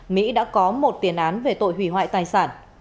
mỹ đã có một tiền án về tội hủy hoại tài sản